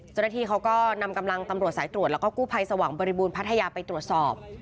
เจ้าหน้าที่เขาก็นำกำลังตำรวจสายตรวจแล้วก็กู้ภัยสว่างบริบูรณพัทยาไปตรวจสอบ